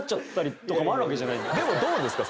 でもどうですか？